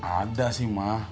ada sih mah